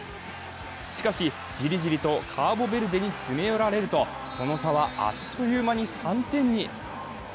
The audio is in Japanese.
しかしジリジリとカーボベルデに詰め寄られるとその差は、あっという間に３点に。